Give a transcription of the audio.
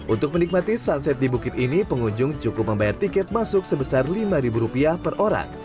untuk menikmati sunset di bukit ini pengunjung cukup membayar tiket masuk sebesar lima rupiah per orang